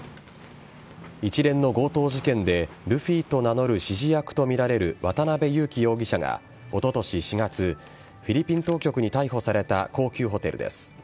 一連の強盗事件でルフィと名乗る指示役とみられる渡辺優樹容疑者がおととし４月フィリピン当局に逮捕された高級ホテルです。